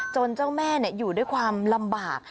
เจ้าแม่อยู่ด้วยความลำบาก